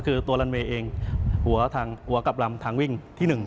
คือตัวลันเวย์เองหัวกลับลำทางวิ่งที่๑